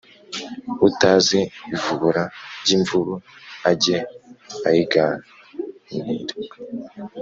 utazi ivubura ry'imvubu ajye ayiganira!